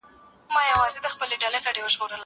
زه پرون مېوې وچولې!